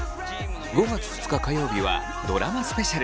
５月２日火曜日はドラマスペシャル！